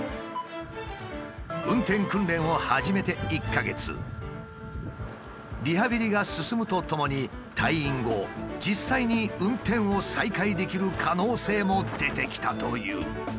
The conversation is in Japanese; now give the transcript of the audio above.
運転訓練を始めて１か月リハビリが進むとともに退院後実際に運転を再開できる可能性も出てきたという。